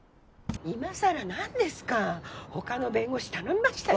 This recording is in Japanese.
今さらなんですか他の弁護士頼みましたよ